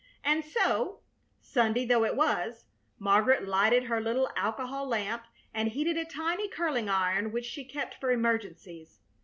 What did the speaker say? And so, Sunday though it was, Margaret lighted her little alcohol lamp and heated a tiny curling iron which she kept for emergencies.